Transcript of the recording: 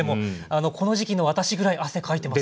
この時期の私ぐらい汗かいてますね。